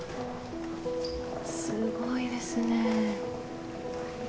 すごいですね。